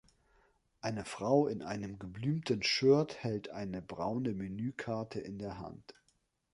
Eine Frau in einem geblümten Shirt hält eine braune Menükarte in der Hand.